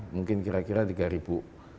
mungkin kira kira tiga ribu